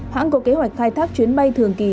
hãng có kế hoạch khai thác chuyến bay thường kỳ